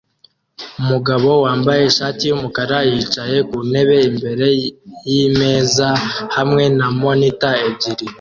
Umugabo wambaye ishati yumukara yicaye ku ntebe imbere yimeza hamwe na monitor ebyiri